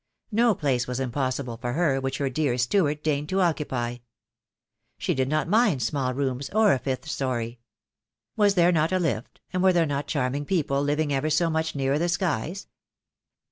No place was impossible for her which her dear Stuart deigned to occupy. She did not mind small rooms, or a fifth story. Was there not a lift, and were there not charming people living ever so much nearer the skies?